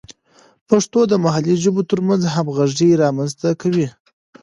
پښتو د محلي ژبو ترمنځ همغږي رامینځته کوي.